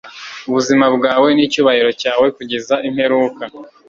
Ubuzima bwawe nicyubahiro cyawe kugeza imperuka